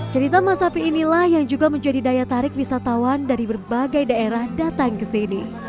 cerita masapi inilah yang juga menjadi daya tarik wisatawan dari berbagai daerah datang ke sini